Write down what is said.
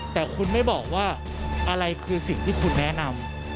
แต่คุณไม่บอกว่าอะไรคือสิ่งที่คุณแนะนำ